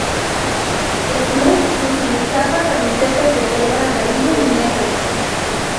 El club utilizaba camisetas de color amarillo y negro.